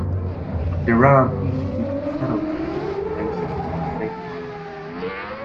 Deram issued a 'soundtrack' compilation in the same month.